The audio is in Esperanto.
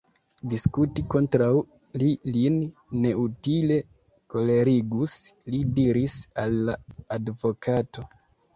Diskuti kontraŭ li lin neutile kolerigus, li diris al la advokato.